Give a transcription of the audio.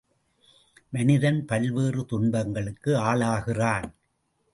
மனிதன் பல்வேறு துன்பங்களுக்கு ஆளாகிறான்.